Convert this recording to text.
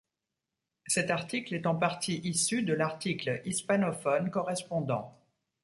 Cet article est en partie issu de l'article hispanophone correspondant.